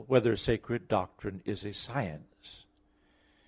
2] Whether Sacred Doctrine Is a Science?